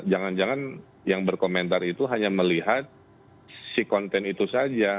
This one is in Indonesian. jangan jangan yang berkomentar itu hanya melihat si konten itu saja